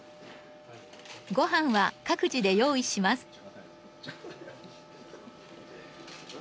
ご飯は各自で用意します。